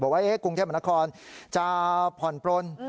บอกว่าคุณเทมนาคอลจะผ่อนปล้น